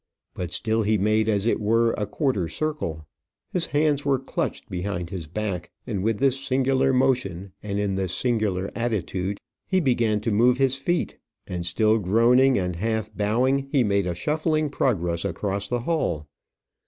But still he made as it were a quarter circle. His hands were clutched behind his back, and with this singular motion, and in this singular attitude, he began to move his feet; and still groaning and half bowing, he made a shuffling progress across the hall.